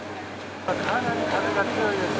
かなり風が強いです。